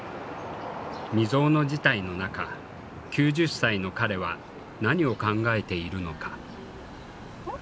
未曽有の事態の中９０歳の彼は何を考えているのか。